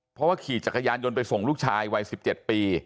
เพราะว่าขี่จักรยานยนต์ไปส่งลูกชายวัย๑๗ปี